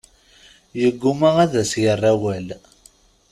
Yeggumma ad as-yerr awal.